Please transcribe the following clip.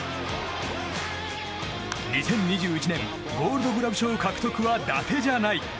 ２０２１年ゴールドグラブ賞獲得はだてじゃない。